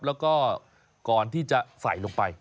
แล้วก็ก่อนที่จะใส่ลงไป